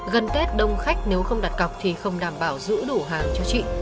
gần tết đông khách nếu không đặt cọc thì không đảm bảo giữ đủ hàng cho chị